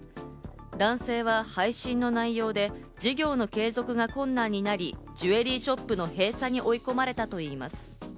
男性は配信の内容で事業の継続が困難になり、ジュエリーショップの閉鎖に追い込まれたといいます。